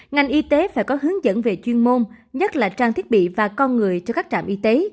ngành y tế phải có hướng dẫn về chuyên môn nhất là trang thiết bị và con người cho các trạm y tế